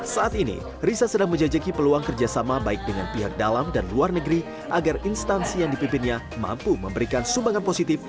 saat ini risa sedang menjajaki peluang kerjasama baik dengan pihak dalam dan luar negeri agar instansi yang dipimpinnya mampu memberikan sumbangan positif